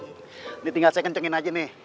ini tinggal saya kencengin aja nih